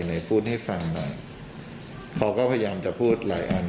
ไหนพูดให้ฟังหน่อยเขาก็พยายามจะพูดหลายอัน